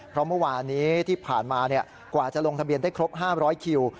เพราะเมื่อวานนี้ที่ผ่านมากว่าจะลงทะเบียนได้ครบ๕๐๐คิว